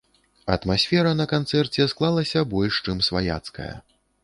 Атмасфера на канцэрце склалася больш чым сваяцкая.